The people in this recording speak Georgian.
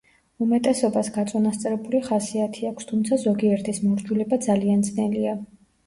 უმეტესობას გაწონასწორებული ხასიათი აქვს, თუმცა ზოგიერთის მორჯულება ძალიან ძნელია.